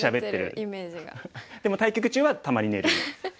でも対局中はたまに寝る。